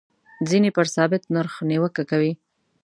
ځینې پر ثابت نرخ نیوکه کوي.